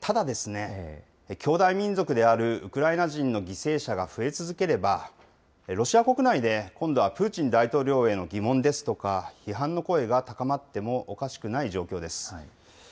ただ、兄弟民族であるウクライナ人の犠牲者が増え続ければ、ロシア国内で今度はプーチン大統領への疑問ですとか、批判の声が高まってもおかしくない状況です。